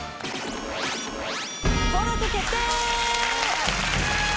登録決定！